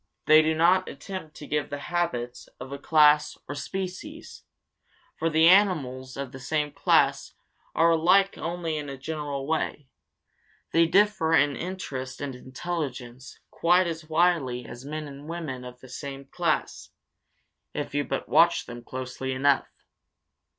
They do not attempt to give the habits of a class or species, for the animals of the same class are alike only in a general way; they differ in interest and intelligence quite as widely as men and women of the same class, if you but watch them closely enough.